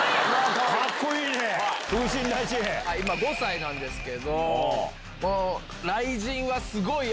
今５歳なんですけど。